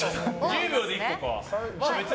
１０秒で１個か。